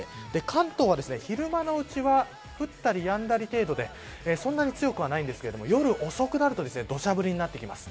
関東は昼間のうちは降ったり、やんだり程度でそんなに強くはないんですけど夜遅くなると土砂降りになってきます。